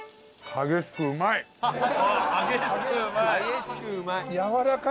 激しくうまい！